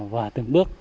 và từng bước